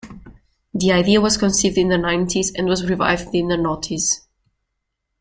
The idea was conceived in the nineties and was revived in the naughties.